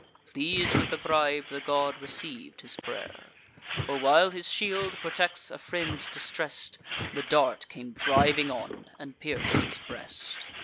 Pleas'd with the bribe, the god receiv'd his pray'r: For, while his shield protects a friend distress'd, The dart came driving on, and pierc'd his breast.